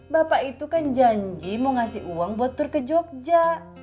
bapak itu kan janji mau ngasih uang buat tur ke jogja